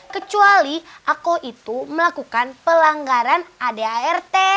kecuali ako itu melakukan pelanggaran adart